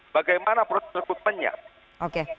bagaimana protes terkutuk penyak